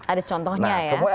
ada contohnya ya